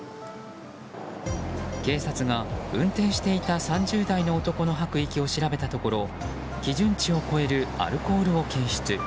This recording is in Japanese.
警察が運転していた３０代の男の吐く息を調べたところ基準値を超えるアルコールを検出。